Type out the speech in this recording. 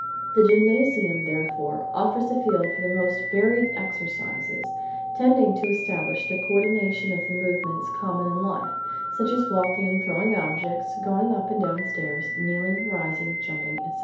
The gymnasium, therefore, offers a field for the most varied exercises, tending to establish the co ordination of the movements common in life, such as walking, throwing objects, going up and down stairs, kneeling, rising, jumping, etc.